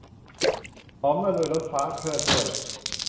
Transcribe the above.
หอมระรวยรสพา เพริศด้วย